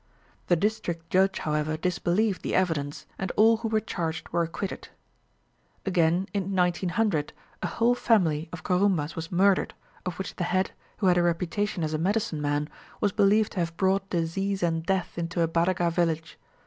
The district judge, however, disbelieved the evidence, and all who were charged were acquitted. Again, in 1900, a whole family of Kurumbas was murdered, of which the head, who had a reputation as a medicine man, was believed to have brought disease and death into a Badaga village.